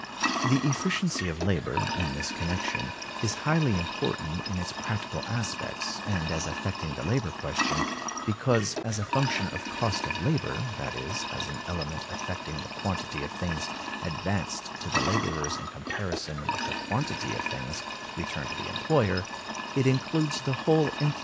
The efficiency of labor, in this connection, is highly important in its practical aspects, and as affecting the labor question, because as a function of cost of labor, that is, as an element affecting the quantity of things advanced to the laborers in comparison with the quantity of things returned to the employer, it includes the whole influence of machinery, labor saving devices, and the results of invention.